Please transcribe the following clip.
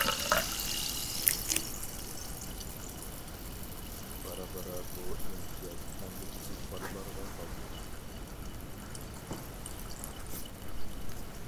بارا-بارا بۇ ئىمتىياز ئەمدى كىچىك بالىلارغا قالدى.